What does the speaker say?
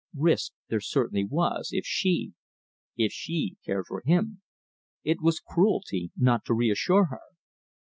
Risk there certainly was, if she if she cared for him. It was cruelty not to reassure her.